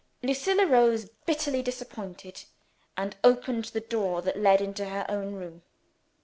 Lucilla rose, bitterly disappointed, and opened the door that led into her own room.